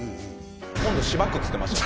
「今度しばく」っつってました